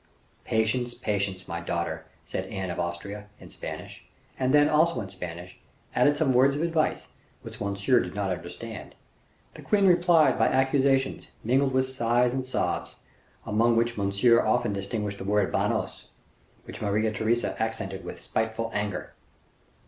"Patience, patience, my daughter," said Anne of Austria, in Spanish; and then, also in Spanish, added some words of advice, which Monsieur did not understand. The queen replied by accusations, mingled with sighs and sobs, among which Monsieur often distinguished the word banos, which Maria Theresa accentuated with spiteful anger.